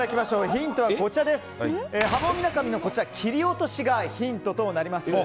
ヒントははもんみなかみの切り落としがヒントとなります。